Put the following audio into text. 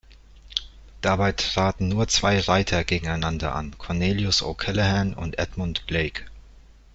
Dabei traten nur zwei Reiter gegeneinander an, Cornelius O’Callaghan und Edmund Blake.